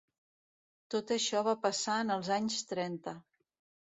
Tot això va passar en els anys trenta.